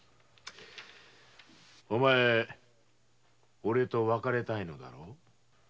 お前俺と別れたいんだろう？